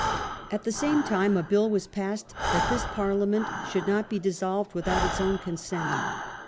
At the same time a bill was passed that this Parliament should not be dissolved without its own consent.